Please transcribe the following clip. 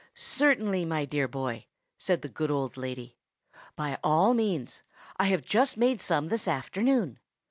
"Certainly, my dear boy," said the good old lady; "by all means. I have just made some this afternoon.